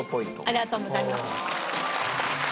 ありがとうございます。